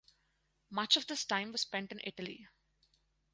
Much of this time was spent in Italy.